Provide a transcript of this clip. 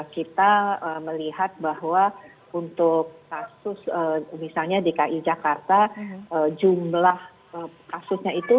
kita melihat bahwa untuk kasus misalnya dki jakarta jumlah kasusnya itu